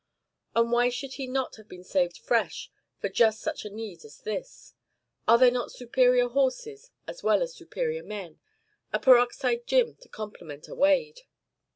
And why should he not have been saved fresh for just such a need as this? Are there not superior horses as well as superior men a Peroxide Jim to complement a Wade?